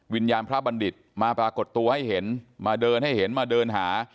วิญญาณพระบัณฑิตมาปรากฏตัวให้เห็นมาเดินให้เห็นมาเดินหา